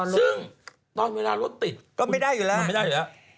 ซึ่งตอนเวลารถติดก็ไม่ได้อยู่แล้ว